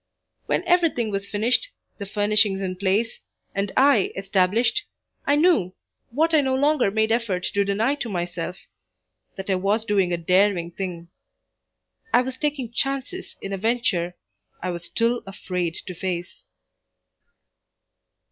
When everything was finished, the furnishings in place, and I established, I knew, what I no longer made effort to deny to myself that I was doing a daring thing. I was taking chances in a venture I was still afraid to face.